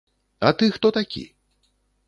А ты хто такі?